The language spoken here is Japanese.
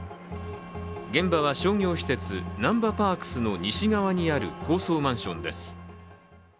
現場は商業施設なんばパークスの西側にある高層マンションです。